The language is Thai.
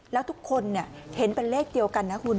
แล้วทุกคนเห็นเป็นเลขเดียวกันนะคุณ